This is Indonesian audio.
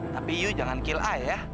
tapi you jangan kill i ya